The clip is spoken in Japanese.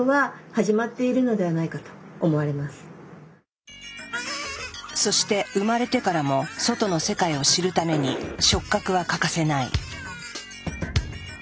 例えばそして生まれてからも外の世界を知るために触覚は欠かせない。